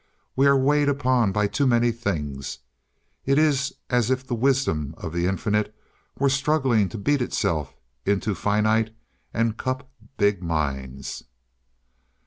We are weighed upon by too many things. It is as if the wisdom of the infinite were struggling to beat itself into finite and cup big minds.